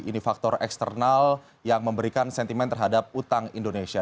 ini faktor eksternal yang memberikan sentimen terhadap utang indonesia